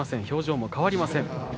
表情も変わりません。